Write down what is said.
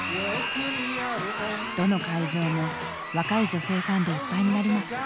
どの会場も若い女性ファンでいっぱいになりました。